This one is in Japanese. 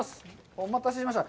お待たせしました。